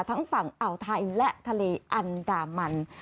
ฝั่งอ่าวไทยและทะเลอันดามัน